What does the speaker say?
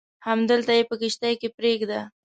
همدلته یې په کښتۍ کې پرېږده.